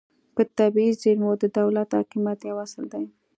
په طبیعي زیرمو د دولت حاکمیت یو اصل دی